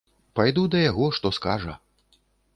Пайду да яго, што скажа.